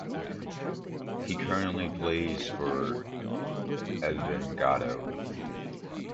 He currently plays for Envigado.